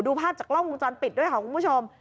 ภาพจากกล้องวงจรปิดด้วยค่ะคุณผู้ชม